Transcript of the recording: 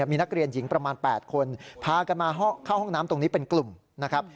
มีนักเรียนหญิงประมาณ๘คนพากันมาเข้าห้องน้ำตรงนี้เป็นกลุ่มนะครับ